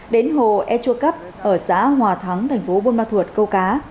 đến hồ e chua cấp ở xã hòa thắng tp buôn ma thuột câu cá